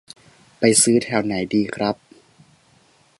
ไปซื้อแถวไหนดีครับ